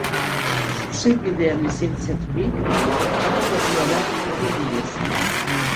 Zuzenbidean lizentziaturik, abokatua da ogibidez.